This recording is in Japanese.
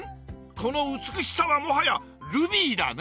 この美しさはもはやルビーだね！